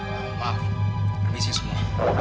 maaf permisi semua